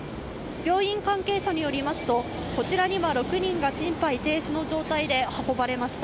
病院関係者によりますと、こちらには６人が心肺停止の状態で運ばれました。